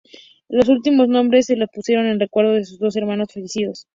Los últimos nombres se los pusieron en recuerdo de sus dos hermanos fallecidos.